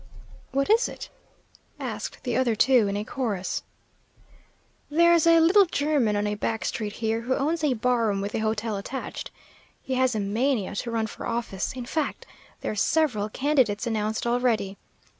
"What is it?" asked the other two, in a chorus. "There's a little German on a back street here, who owns a bar room with a hotel attached. He has a mania to run for office; in fact, there's several candidates announced already.